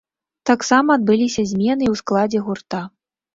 Таксама адбыліся змены і ў складзе гурта.